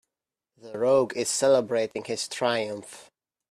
The rogue is celebrating his triumph.